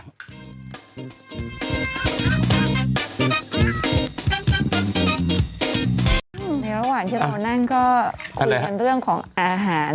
ในระหว่างที่เรานั่งก็คุยกันเรื่องของอาหาร